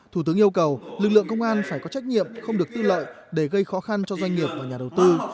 thủ tướng yêu cầu lực lượng công an phải có trách nhiệm không được tư lợi để gây khó khăn cho doanh nghiệp và nhà đầu tư